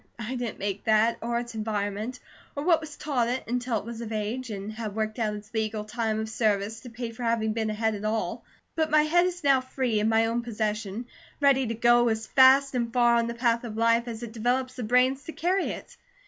I didn't make that, or its environment, or what was taught it, until it was of age, and had worked out its legal time of service to pay for having been a head at all. But my head is now free, in my own possession, ready to go as fast and far on the path of life as it develops the brains to carry it.